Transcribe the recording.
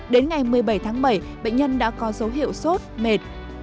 đến ngày một mươi bảy tháng bảy bệnh nhân đã có dấu hiệu sốt mệt